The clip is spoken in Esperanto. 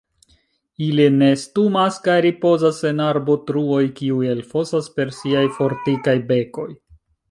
Ili nestumas kaj ripozas en arbotruoj kiuj elfosas per siaj fortikaj bekoj.